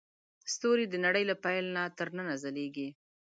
ستوري د نړۍ له پیل نه تر ننه ځلېږي.